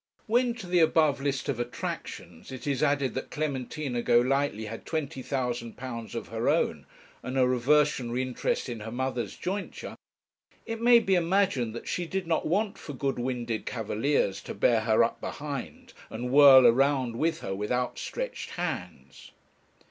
When to the above list of attractions it is added that Clementina Golightly had £20,000 of her own, and a reversionary interest in her mother's jointure, it may be imagined that she did not want for good winded cavaliers to bear her up behind, and whirl around with her with outstretched hands.